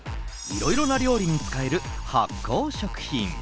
いろいろな料理に使える発酵食品。